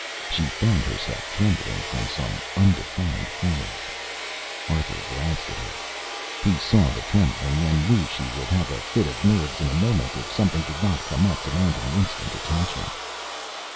She found herself trembling from some undefined cause. Arthur glanced at her. He saw the trembling and knew she would have a fit of nerves in a moment if something did not come up demanding instant attention.